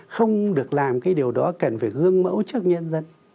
không được làm cái điều đó cần phải gương mẫu trước nhân dân